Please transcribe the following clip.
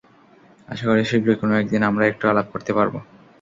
আশাকরি শীঘ্রই কোনো একদিন, আমরা একটু আলাপ করতে পারবো।